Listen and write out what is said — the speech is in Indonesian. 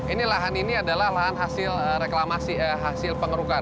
ini lahan ini adalah lahan hasil reklamasi hasil pengerukan